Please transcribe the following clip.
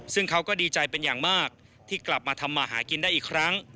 ซึ่งเขาก็ดีใจเป็นอย่างมากที่กลับมาทำมาหากินได้อีกครั้ง